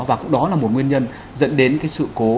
và cũng đó là một nguyên nhân dẫn đến cái sự cố